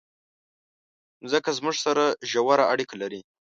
مځکه زموږ سره ژوره اړیکه لري.